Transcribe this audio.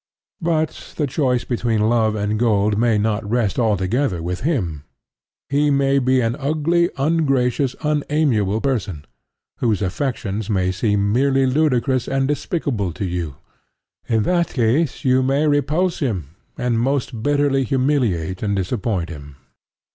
But the choice between love and gold may not rest altogether with him. He may be an ugly, ungracious, unamiable person, whose affections may seem merely ludicrous and despicable to you. In that case, you may repulse him, and most bitterly humiliate and disappoint him.